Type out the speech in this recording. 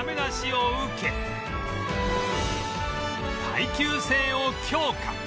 耐久性を強化